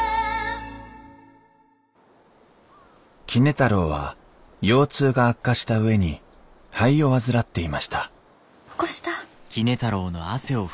杵太郎は腰痛が悪化した上に肺を患っていました起こした？